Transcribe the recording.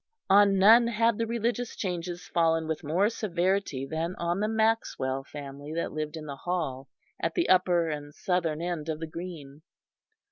On none had the religious changes fallen with more severity than on the Maxwell family that lived in the Hall, at the upper and southern end of the green.